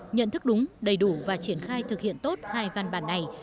nhận thức đúng đầy đủ và triển khai thực hiện tốt hai văn bản này